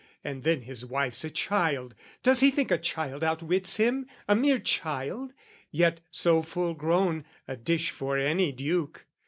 And then his wife's a child, "Does he think a child outwits him? A mere child: "Yet so full grown, a dish for any duke.